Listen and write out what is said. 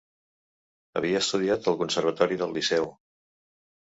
Havia estudiat al Conservatori del Liceu.